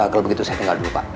kalau begitu saya tinggal dulu pak